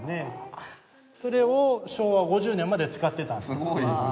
それを昭和５０年まで使ってたんです。